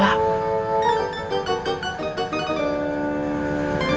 kayaknya gak ada